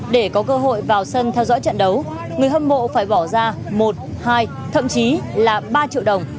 để có cơ hội vào sân theo dõi trận đấu người hâm mộ phải bỏ ra một hai thậm chí là ba triệu đồng